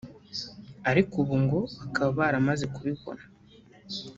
ariko ubu ngo bakaba baramaze kubibona